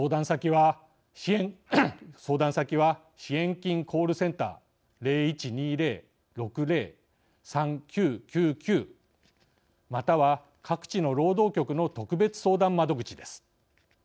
相談先は、支援金コールセンター０１２０‐６０‐３９９９または各地の労働局の特別相談窓口です。